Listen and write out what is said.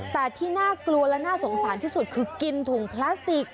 แต่ที่น่ากลัวและน่าสงสารที่สุดคือกินถุงพลาสติก